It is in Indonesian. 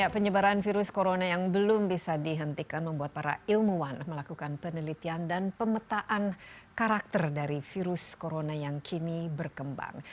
penyebaran virus corona yang belum bisa dihentikan membuat para ilmuwan melakukan penelitian dan pemetaan karakter dari virus corona yang kini berkembang